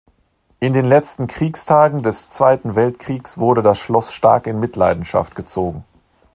In den letzten Kriegstagen des Zweiten Weltkriegs wurde das Schloss stark in Mitleidenschaft gezogen.